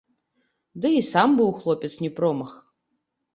Ды і сам быў хлопец не промах.